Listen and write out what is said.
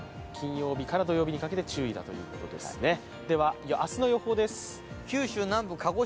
金曜日から土曜日にかけて注意だということですね。